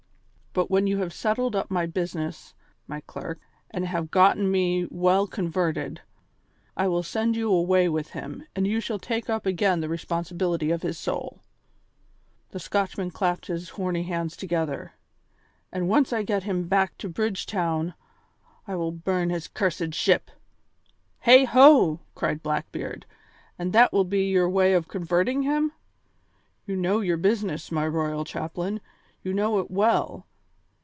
But when you have settled up my business, my clerk, and have gotten me well converted, I will send you away with him, and you shall take up again the responsibility of his soul." The Scotchman clapped his horny hands together. "And once I get him back to Bridgetown, I will burn his cursed ship!" "Heigho!" cried Blackbeard, "and that will be your way of converting him? You know your business, my royal chaplain, you know it well."